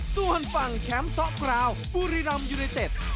ส่วนฟังแคมป์ซอฟต์กราวภูริรัมยูนิเต็ด